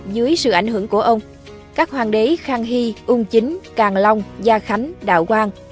dưới sự ảnh hưởng của ông các hoàng đế khang hy ung chính càng long gia khánh đạo quang